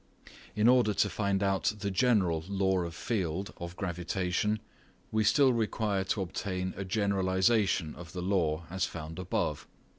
In order to find out the general law of field of gravitation we still require to obtain a generalisation of the law as found above.